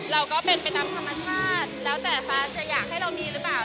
เราก็เป็นไปตามธรรมชาติแล้วแต่ฟ้าจะอยากให้เรามีหรือเปล่า